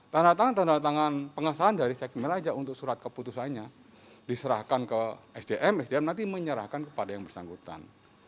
tanda tanda pengesahan dari sekmil aja untuk surat keputusannya diserahkan ke sdm sdm nanti menyerahkan kepada yang bersangkutan